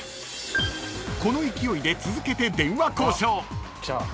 ［この勢いで続けて電話交渉］